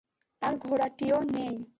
তার ঘোড়াটিও নেই।